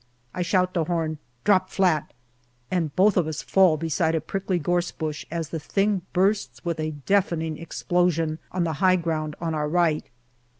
I shout to Horn, " Drop flat !" and both of us fall beside a prickly gorse bush as the thing bursts with a deafening explosion on the high ground on our right.